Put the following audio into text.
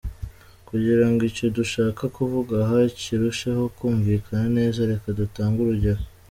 Kugira ngo icyo dushaka kuvuga aha kirusheho kumvikana neza, reka dutange urugero.